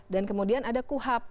dan kemudian ada kuhap